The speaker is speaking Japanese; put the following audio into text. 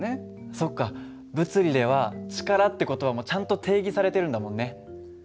そっか物理では力って言葉もちゃんと定義されてるんだもんね。